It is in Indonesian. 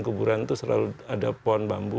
kuburan itu selalu ada pon bambu